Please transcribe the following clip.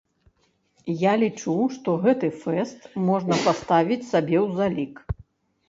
Я лічу, што гэты фэст можна паставіць сабе ў залік.